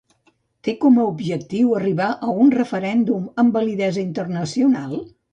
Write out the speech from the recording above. Té com a objectiu arribar a un referèndum amb validesa internacional?